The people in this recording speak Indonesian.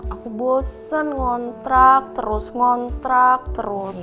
aku bosen ngontrak terus ngontrak terus